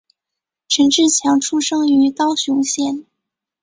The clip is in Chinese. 陈志强出生于高雄县。